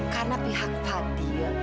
karena pihak fadil